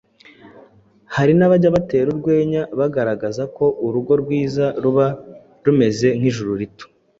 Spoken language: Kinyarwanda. Hari n’abajya batera urwenya bagaragaza ko urugo rwiza ruba rumeze nk’ijuru rito,